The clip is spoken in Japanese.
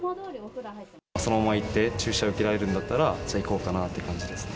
そのまま行って、注射受けられるんだったらじゃあ行こうかなって感じですね。